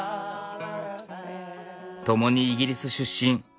ともにイギリス出身。